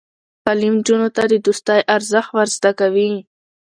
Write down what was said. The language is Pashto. تعلیم نجونو ته د دوستۍ ارزښت ور زده کوي.